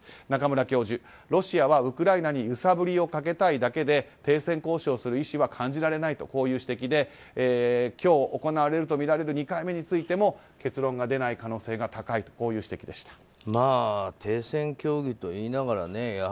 中村教授、ロシアはウクライナに揺さぶりをかけたいだけで停戦交渉する意思は感じられないという指摘で今日、行われるとみられる２回目についても結論が出ない可能性が高いという指摘でした。